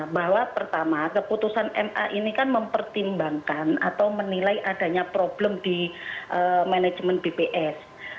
bahwa pertama keputusan ma ini kan mempertimbangkan atau menilai adanya problem di manajemen bps